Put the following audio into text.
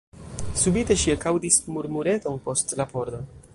Subite ŝi ekaŭdis murmureton post la pordo.